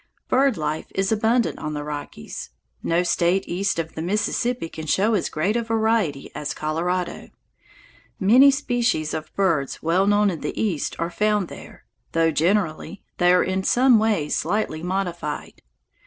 Bird life is abundant on the Rockies. No State east of the Mississippi can show as great a variety as Colorado. Many species of birds well known in the East are found there, though, generally, they are in some way slightly modified.